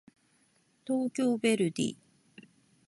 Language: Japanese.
東京ヴェルディ